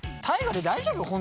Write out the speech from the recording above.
大我で大丈夫？